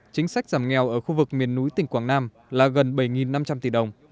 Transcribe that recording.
chính sách giảm nghèo ở khu vực miền núi tỉnh quảng nam là gần bảy năm trăm linh tỷ đồng